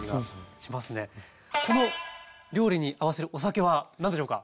この料理に合わせるお酒は何でしょうか？